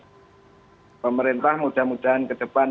jadi saya berharap semua orang yang masih di sini masih berharap dengan perhatian